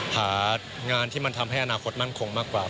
หางานที่มันทำให้อนาคตมั่นคงมากกว่า